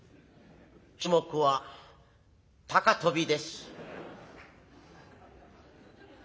種目は高跳びです」。